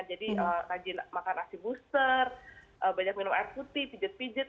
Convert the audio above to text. jadi lagi makan nasi booster banyak minum air putih pijet pijet